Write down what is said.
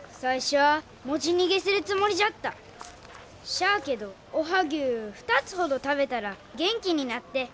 しゃあけどおはぎゅう２つほど食べたら元気になって。